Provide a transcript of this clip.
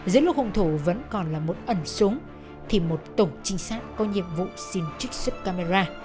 giữa lúc hùng thủ vẫn còn là một ẩn súng thì một tổ trinh sát có nhiệm vụ xin trích xuất camera